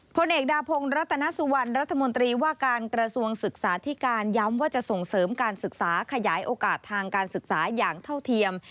พลเอกดาพงศ์รัตนสุวรรณรัฐมนตรีว่าการกระทรวงศึกษาธิการย้ำว่าจะส่งเสริมการศึกษาขยายโอกาสทางการศึกษาอย่างเท่าเทียม